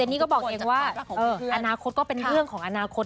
นี่ก็บอกเองว่าอนาคตก็เป็นเรื่องของอนาคต